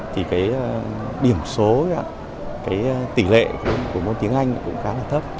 thì cái điểm số cái tỷ lệ của môn tiếng anh cũng khá là thấp